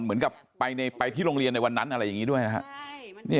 เหมือนกับไปที่โรงเรียนในวันนั้นอะไรอย่างนี้ด้วยนะครับ